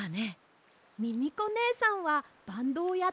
ミミコねえさんはバンドをやっていたんですか？